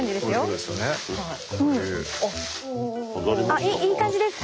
あっいい感じです。